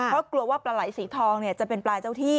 เพราะกลัวว่าปลาไหล่สีทองจะเป็นปลาเจ้าที่